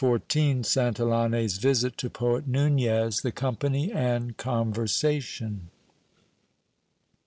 XIV. — Santillanis visit to poet Nunez, the company and conversation.